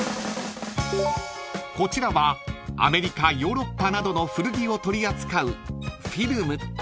［こちらはアメリカヨーロッパなどの古着を取り扱う］